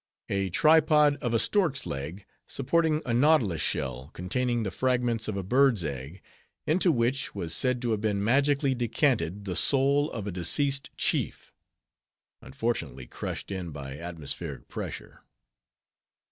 A Tripod of a Stork's Leg, supporting a nautilus shell, containing the fragments of a bird's egg; into which, was said to have been magically decanted the soul of a deceased chief. (Unfortunately crushed in by atmospheric pressure).